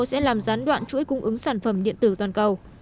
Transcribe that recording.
sẽ làm gián đoạn chuỗi cung ứng sản phẩm điện tử toàn cầu